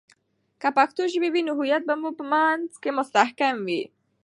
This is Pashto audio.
که پښتو ژبه وي، نو هویت به مو په منځ مي مستحکم وي.